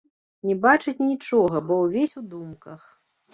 Не бачыць нічога, бо ўвесь у думках.